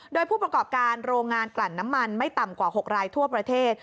โดยผู้ประกอบการโรงงานกลั่นน้ำมันไม่ต่ำกว่า๖รายทั่วประเทศ